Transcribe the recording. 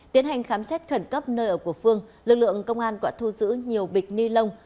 tiến hành khám xét khẩn cấp nơi ở của phương lực lượng công an quả thu giữ nhiều bịch ni lông